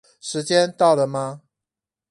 時間到了嗎